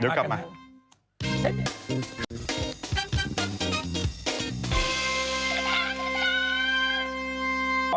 เดี๋ยวกลับมากันนะ